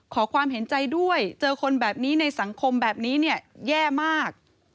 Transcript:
ขอความเห็นใจด้วยเจอคนแบบนี้ในสังคมแบบนี้เนี่ยแย่มาก